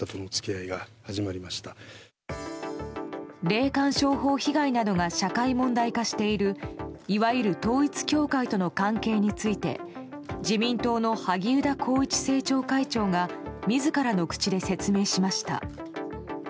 霊感商法被害などが社会問題化しているいわゆる統一教会との関係について自民党の萩生田光一政調会長が自らの口で説明しました。